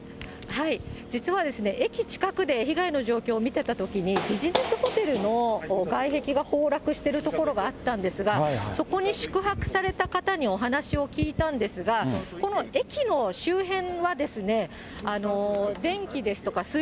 実はですね、駅近くで被害の状況を見てたときに、ビジネスホテルの外壁が崩落しているところがあったんですが、そこに宿泊された方にお話を聞いたんですが、この駅の周辺はですね、電気ですとか